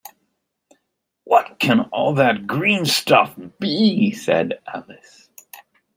‘What can all that green stuff be?’ said Alice.